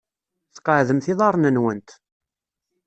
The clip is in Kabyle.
Sqeɛdemt iḍarren-nwent.